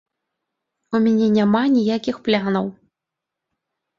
У мяне няма ніякіх планаў.